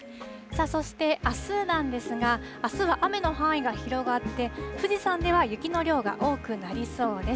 そして、あすなんですが、あすは雨の範囲が広がって、富士山では雪の量が多くなりそうです。